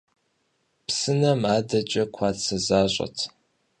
Псынэм адэкӀэ къуацэ защӀэт.